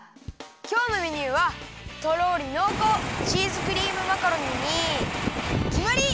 きょうのメニューはとろりのうこうチーズクリームマカロニにきまり！